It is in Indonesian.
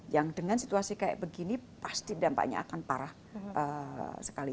yang dengan situasi kayak begini pasti dampaknya akan parah sekali